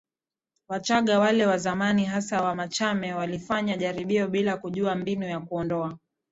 Wachagga wale wa zamani hasa wa Machame walifanya jaribio bila kujua mbinu ya kuondoa